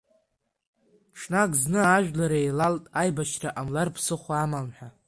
Ҽнак зны, ажәлар еилалт, аибашьра ҟамлар ԥсыхәа амам ҳәа.